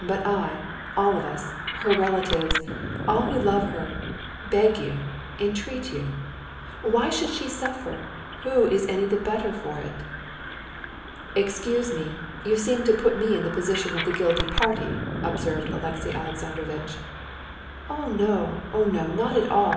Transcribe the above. But I, all of us, her relatives, all who love her, beg you, entreat you. Why should she suffer? Who is any the better for it?" "Excuse me, you seem to put me in the position of the guilty party," observed Alexey Alexandrovitch. "Oh, no, oh, no, not at all!